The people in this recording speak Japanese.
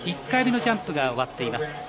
１回目のジャンプが終わっています。